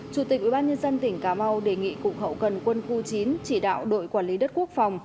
chủ tịch ubnd tỉnh cà mau đề nghị cục hậu cần quân khu chín chỉ đạo đội quản lý đất quốc phòng